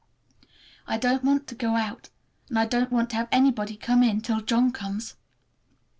I don't want to go out, and I don't want to have anybody come in, till John comes.